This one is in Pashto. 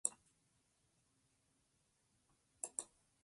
د حشراتو کنټرول د فصل د خوندي کولو وسیله ده.